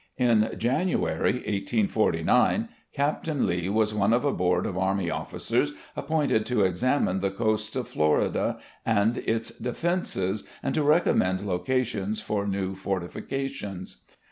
In January, 1849, Captain Lee was one of a board of army officers appointed to examine the coasts of Florida and its defenses and to recommend locations for new fortifications.